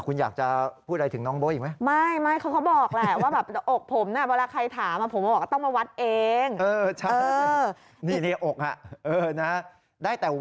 คุณอยากจะพูดอะไรถึงน้องโบ๊ะอีกไหม